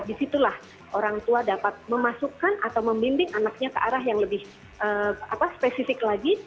disitulah orang tua dapat memasukkan atau membimbing anaknya ke arah yang lebih spesifik lagi